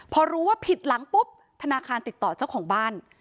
พอรู้ว่าผิดหลังปุ๊บธนาคารติดต่อเจ้าของบ้าน